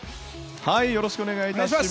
よろしくお願いします。